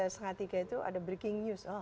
setengah tiga itu ada breaking news